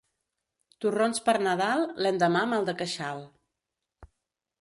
Torrons per Nadal, l'endemà mal de queixal.